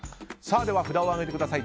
では、札を上げてください。